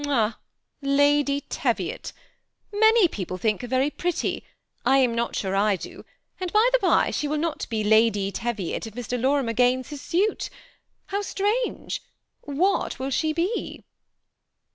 '*Ah, Lady Teviot! Many people think her very pretty ; I am not sure I do, and, by the by, she will not be Lady Teviot if Mr. Lorimer gains his suit How strange ! What will she be